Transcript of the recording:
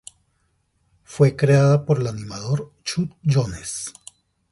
Fue creada por el animador Chuck Jones.